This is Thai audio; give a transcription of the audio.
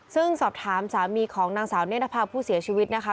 ซึ่งสอบถามสามีของนางสาวเนธภาพผู้เสียชีวิตนะคะ